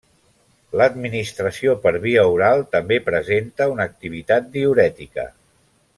L'administració per via oral també presenta una activitat diürètica.